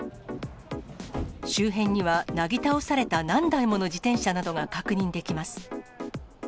周辺にはなぎ倒された何台もの自転車などが確認できます。